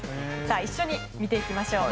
一緒に見ていきましょう。